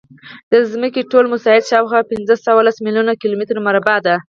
د ځمکې ټول مساحت شاوخوا پینځهسوهلس میلیونه کیلومتره مربع دی.